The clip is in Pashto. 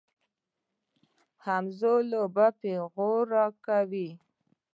همزولو به پيغور راکاوه.